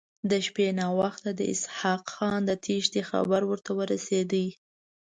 د شپې ناوخته د اسحق خان د تېښتې خبر ورته ورسېد.